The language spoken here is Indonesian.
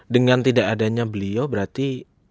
dengan tidak adanya beliau berarti